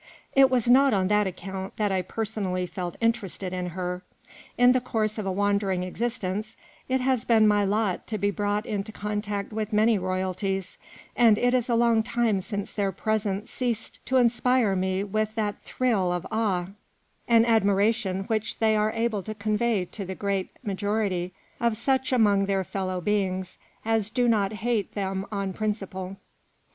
It was not on that account that I personally felt interested in her. In the course of a wandering existence it has been my lot to be brought into contact with many Eoyalties, and it is a long time since their presence ceased to inspire me with that thrill of awe and admi ration which they are able to convey to the great majority of such among their fellow beings as do not hate them on principle.